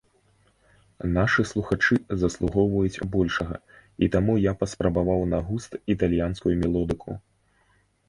Нашы слухачы заслугоўваюць большага, і таму я паспрабаваў на густ італьянскую мелодыку.